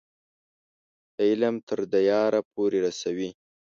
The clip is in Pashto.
د علم تر دیاره پورې رسوي.